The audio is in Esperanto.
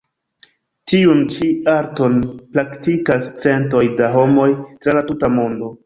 Tiun ĉi arton praktikas centoj da homoj tra la tuta mondo.